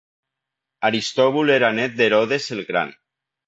Aristòbul era nét d'Herodes el gran.